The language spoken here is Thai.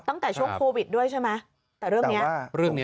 ตั้งแต่ช่วงโควิดด้วยใช่ไหมแต่เรื่องนี้เรื่องนี้